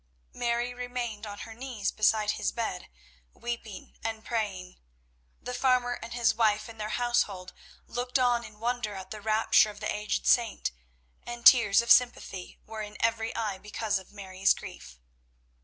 Mary remained on her knees beside his bed, weeping and praying. The farmer and his wife and their household looked on in wonder at the rapture of the aged saint, and tears of sympathy were in every eye because of Mary's grief.